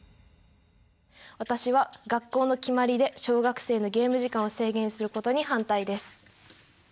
私は学校の決まりで小学生のゲーム時間を制限することに反対です。